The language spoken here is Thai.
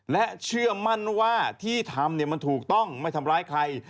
และเชื่อมั่นว่าที่ทำมันถูกต้องไม่ทำร้ายใคร